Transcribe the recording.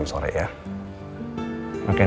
oke terima kasih